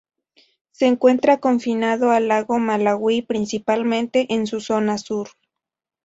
Se encuentra confinado al lago Malawi, principalmente en su zona sur.